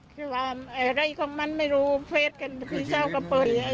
คือว่าอะไรของมันไม่รู้เพจเพราะชาวกะเปิด